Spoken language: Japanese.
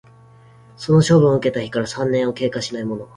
その処分を受けた日から三年を経過しないもの